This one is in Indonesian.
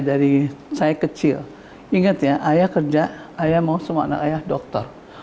dari saya kecil ingat ya ayah kerja ayah mau semua anak ayah dokter